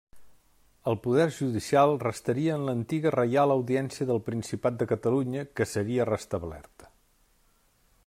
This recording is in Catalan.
El poder judicial restaria en l'antiga Reial Audiència del Principat de Catalunya que seria restablerta.